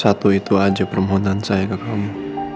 satu itu aja permohonan saya ke kamu